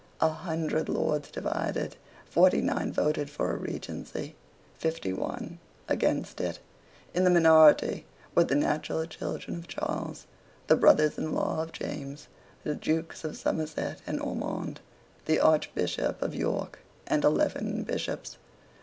A hundred Lords divided. Forty nine voted for a Regency, fifty one against it. In the minority were the natural children of Charles, the brothers in law of James, the Dukes of Somerset and Ormond, the Archbishop of York and eleven Bishops.